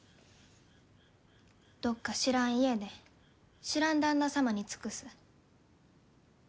どっか知らん家で知らん旦那様に尽くす。